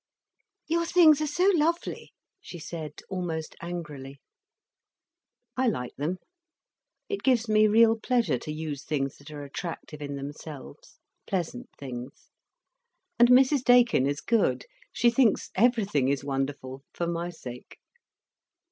"Your things are so lovely!" she said, almost angrily. "I like them. It gives me real pleasure to use things that are attractive in themselves—pleasant things. And Mrs Daykin is good. She thinks everything is wonderful, for my sake."